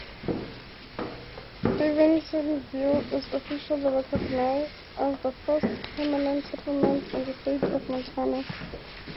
Stevensville is officially recognized as the first permanent settlement in the state of Montana.